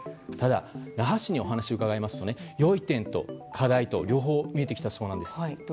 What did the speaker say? ただ那覇市にお話を伺いますとね良い点と課題と両方見えてきたそうなんです。